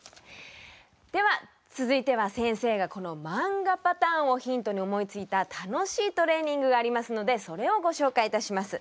では続いては先生がこの漫画パターンをヒントに思いついた楽しいトレーニングがありますのでそれをご紹介いたします。